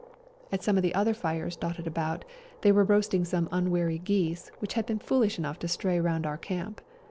At some of the other fires dotted about they were roasting some unwary geese which had been foolish enough to stray roimd our camp.